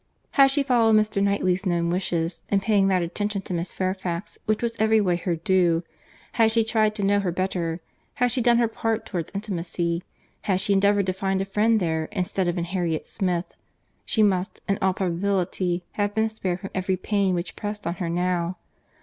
Had she followed Mr. Knightley's known wishes, in paying that attention to Miss Fairfax, which was every way her due; had she tried to know her better; had she done her part towards intimacy; had she endeavoured to find a friend there instead of in Harriet Smith; she must, in all probability, have been spared from every pain which pressed on her now.